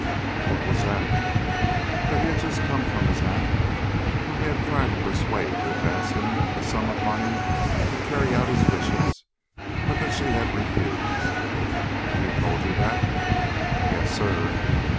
"What was that?" "That he had just come from his aunt whom he had tried to persuade to advance him a sum of money to carry out his wishes, but that she had refused." "He told you that?" "Yes, sir."